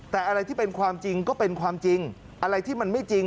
แต่อะไรที่เป็นความจริงก็เป็นความจริงอะไรที่มันไม่จริง